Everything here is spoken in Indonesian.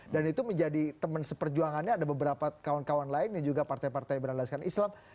dan itu menjadi teman seperjuangannya ada beberapa kawan kawan lain yang juga partai partai berandaskan islam